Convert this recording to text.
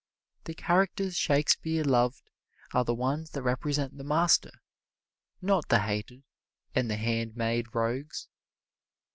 The characters Shakespeare loved are the ones that represent the master, not the hated and handmade rogues.